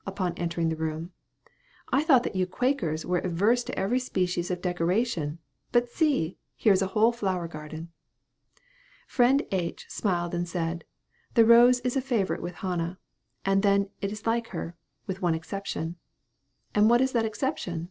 upon entering the room; "I thought that you Quakers were averse to every species of decoration; but see! here is a whole flower garden!" Friend H. smiled and said, "the rose is a favorite with Hannah; and then it is like her, with one exception." "And what is that exception?"